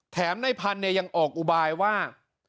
ในพันธุ์เนี่ยยังออกอุบายว่า